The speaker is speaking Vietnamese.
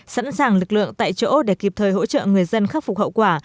sẵn sàng lực lượng tại chỗ để kịp thời hỗ trợ người dân khắc phục hậu quả